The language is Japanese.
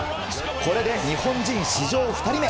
これで日本人史上２人目